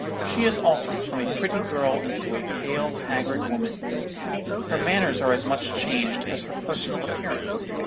She is altered from a pretty girl into a pale haggard woman. Her manners are as much changed as her personal appearance.